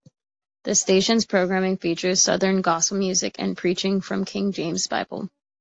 The station's programming features Southern gospel music and preaching from the King James Bible.